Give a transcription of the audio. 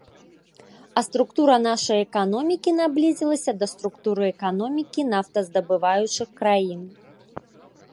А структура нашай эканомікі наблізілася да структуры эканомікі нафтаздабываючых краін.